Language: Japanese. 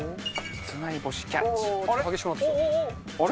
室内干しキャッチ？